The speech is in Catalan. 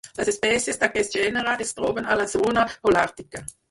Les espècies d'aquest gènere es troben a la zona holàrtica.